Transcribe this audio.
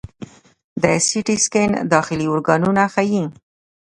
د سی ټي سکین داخلي ارګانونه ښيي.